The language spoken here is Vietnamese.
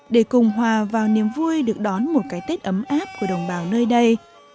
để cùng hòa vào niềm vui được đón một cái tết ấm áp của đồng bào nơi đây